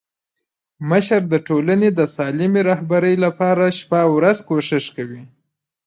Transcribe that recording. مشر د ټولني د سالمي رهبري لپاره شپه او ورځ کوښښ کوي.